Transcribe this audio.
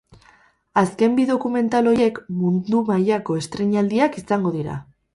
Azken bi dokumental horiek mundu mailako estreinaldiak izango dira.